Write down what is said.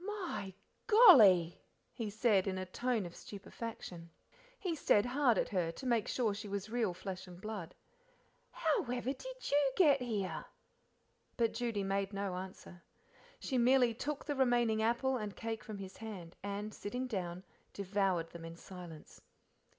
"My golly!" he said, in a tone of stupefaction. He stared hard at her to make sure she was real flesh and blood. "However did you get here?" But Judy made no answer. She merely took the remaining apple and cake from his hand, and, sitting down, devoured them in silence.